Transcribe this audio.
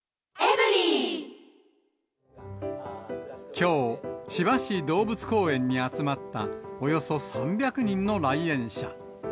きょう、千葉市動物公園に集まった、およそ３００人の来園者。